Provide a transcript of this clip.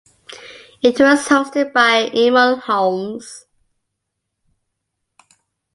It was hosted by Eamonn Holmes.